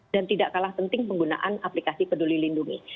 tidak kalah penting penggunaan aplikasi peduli lindungi